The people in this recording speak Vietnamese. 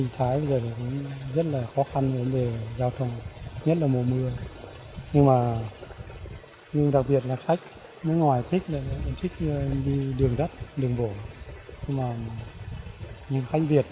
thời gian gần đây nhờ có sự quảng bá của các kênh thông tin đại chúng